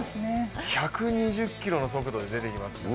１２０キロの速度で出てきますからね。